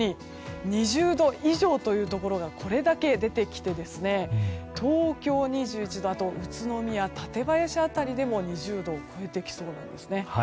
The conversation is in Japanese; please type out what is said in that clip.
２０度以上というところがこれだけ出てきて東京２１度それから宇都宮、館林辺りでも２０度を超えてきそうなんですね。